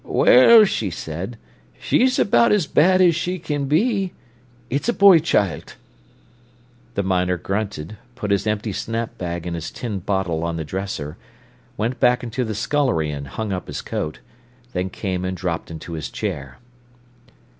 "Well," she said, "she's about as bad as she can be. It's a boy childt." The miner grunted, put his empty snap bag and his tin bottle on the dresser, went back into the scullery and hung up his coat, then came and dropped into his chair.